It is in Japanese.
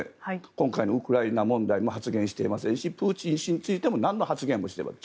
今回のウクライナ問題にも発言していませんしプーチン氏についてもなんの発言もしていない。